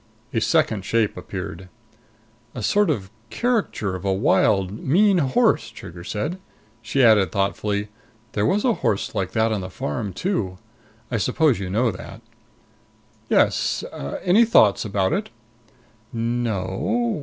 A second shape appeared. "A sort of caricature of a wild, mean horse," Trigger said. She added thoughtfully, "there was a horse like that on that farm, too. I suppose you know that?" "Yes. Any thoughts about it?" "No o o.